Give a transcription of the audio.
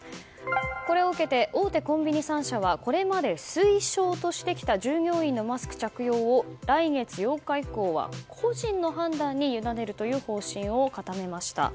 これを受けて大手コンビニ３社はこれまで推奨としてきた従業員のマスク着用を来月８日以降は、個人の判断に委ねるという方針を固めました。